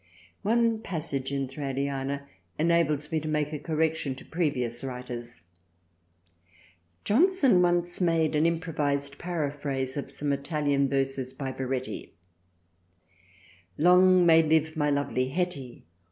One passage in Thraliana enables me to make a correction to previous writers. Johnson once made an improvised paraphrase of some Italian verses by Baretti :— Long may live my lovely Hetty